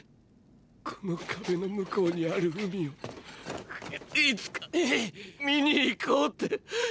この壁の向こうにある海をいつか見に行こうって。